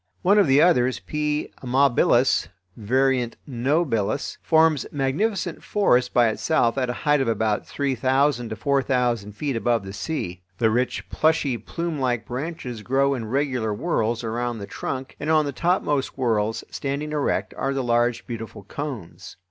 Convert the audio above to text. One of the others (P. amabilis, var. nobilis) forms magnificent forests by itself at a height of about three thousand to four thousand feet above the sea. The rich plushy, plumelike branches grow in regular whorls around the trunk, and on the topmost whorls, standing erect, are the large, beautiful cones.